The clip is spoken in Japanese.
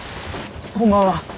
こんばんは。